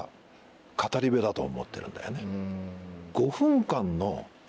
だと思ってるんだよね。